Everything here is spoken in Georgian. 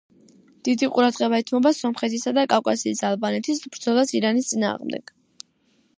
დიდი ყურადღება ეთმობა სომხეთისა და კავკასიის ალბანეთის ბრძოლას ირანის წინააღმდეგ.